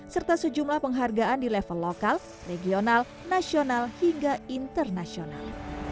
serta sejumlah penghargaan di level lokal regional nasional hingga internasional